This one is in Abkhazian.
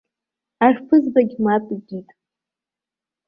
Арԥызбагь мап икит.